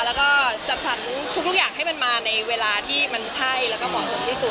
แล้วก็จัดสรรทุกอย่างให้มันมาในเวลาที่มันใช่แล้วก็เหมาะสมที่สุด